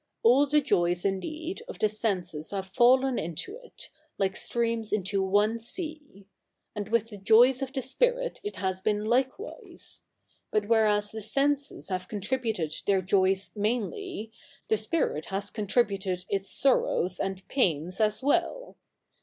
All the Joys, indeed, of the senses have fallen into it, like strea7ns into 07ie sea. And 7vith the Joys of the spi7'it it has been likeivise. But wherras the senses have contributed their Joys rnainly, the spirit has contributed its sor7 ows and pains as well.